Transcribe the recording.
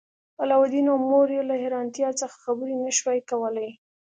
علاوالدین او مور یې له حیرانتیا څخه خبرې نشوای کولی.